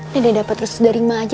dede dapat terus dari emak aja